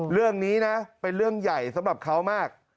เรื่องนี้นะเป็นเรื่องใหญ่สำหรับเขามาก